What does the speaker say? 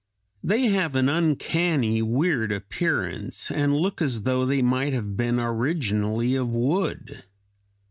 They have an uncanny, weird appearance, and look as though they might have been originally of wood.